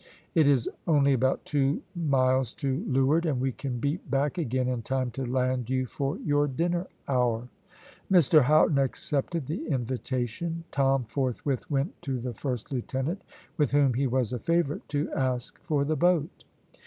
It is only about two miles to leeward, and we can beat back again in time to land you for your dinner hour." Mr Houghton accepted the invitation. Tom forthwith went to the first lieutenant, with whom he was a favourite, to ask for the boat.